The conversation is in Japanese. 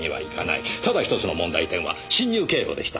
ただ１つの問題点は侵入経路でした。